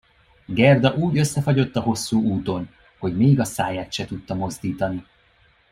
Gerda úgy összefagyott a hosszú úton, hogy még a száját se tudta mozdítani.